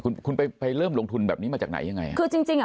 คุณคุณไปไปเริ่มลงทุนแบบนี้มาจากไหนยังไงคือจริงจริงอ่ะ